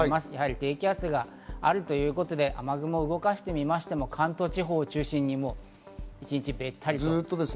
低気圧があるということで雨雲を動かしてみましても、関東地方を中心に一日べったり。